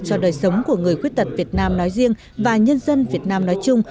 cho đời sống của người khuyết tật việt nam nói riêng và nhân dân việt nam nói chung